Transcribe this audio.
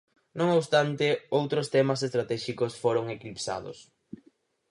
Non obstante, outros temas estratéxicos foron eclipsados.